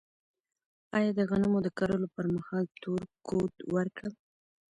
آیا د غنمو د کرلو پر مهال تور کود ورکړم؟